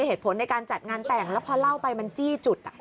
เหตุผลในการจัดงานแต่งแล้วพอเล่าไปมันจี้จุด